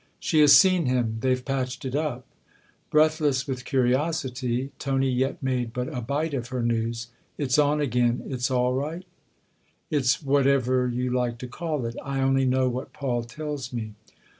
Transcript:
" She has seen him they've patched it up." Breathless with curiosity, Tony yet made but a bite of her news. " It's on again it's all right ?"" It's whatever you like to call it. I only know what Paul tells me."